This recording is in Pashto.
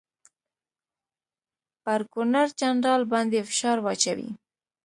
پر ګورنرجنرال باندي فشار واچوي.